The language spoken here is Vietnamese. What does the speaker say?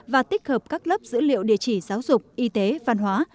và tích hợp các lớp dữ liệu địa chỉ giáo dục y tế văn hóa